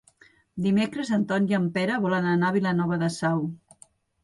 Dimecres en Ton i en Pere volen anar a Vilanova de Sau.